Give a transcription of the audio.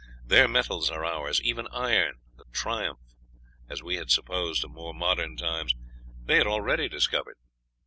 Their metals are ours. Even iron, the triumph, as we had supposed, of more modern times, they had already discovered.